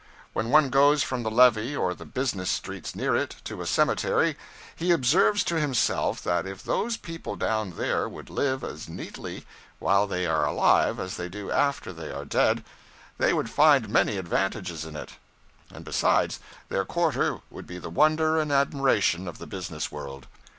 When one goes from the levee or the business streets near it, to a cemetery, he observes to himself that if those people down there would live as neatly while they are alive as they do after they are dead, they would find many advantages in it; and besides, their quarter would be the wonder and admiration of the business world.